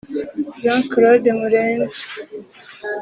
Jean Claude Murenzi